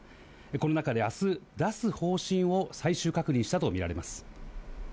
この中であす、出す方針を最終確認したと見られます。